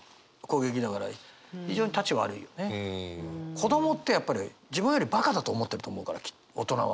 子どもってやっぱり自分よりバカだと思ってると思うから大人は。